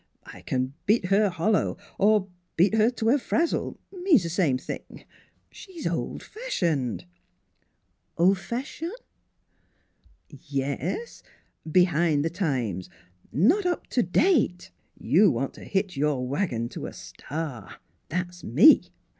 I can beat her hollow ... or beat her to a frazzle means the same thing. ... She's old fashioned." 11 Ol 1 fashion'?" 'Yes; behind the times not up to date. You want to hitch your wagon to a star that's me